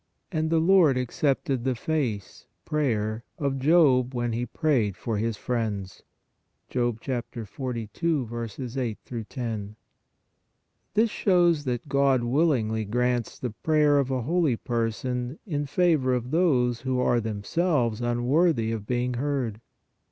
. and the Lord accepted the face (prayer) of Job ... when he prayed for his friends" (Job 42. 8 10). This shows that God willingly grants the prayer of a holy person in favor of those who are themselves unworthy of being heard.